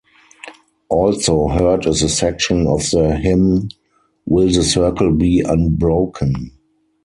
Also heard is a section of the hymn "Will the Circle Be Unbroken".